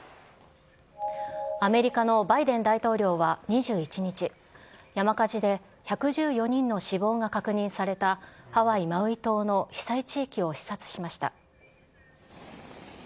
アメリカのバイデン大統領は２１日、山火事で１１４人の死亡が確認された、ハワイ・マウイ島の被災地域を視察しました。